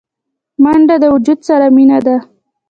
منډه د وجود سره مینه ده